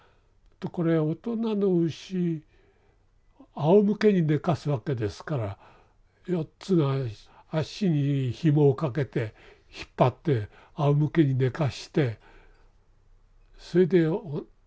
これは大人の牛あおむけに寝かすわけですから４つの足にひもをかけて引っ張ってあおむけに寝かしてそれでおなか一面の毛をそってですね